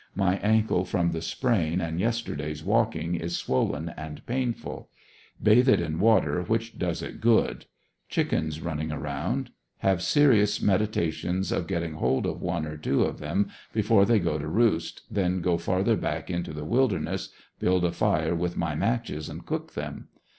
My ankle from the sprain and yesterday's walking is swollen and painful. Bathe it in water, which does it good. Chickens running around. Have serious med itations of getting hold of one or two of them after they go to roost, then go farther back into the wilderness, build a fire with my matches and cook them.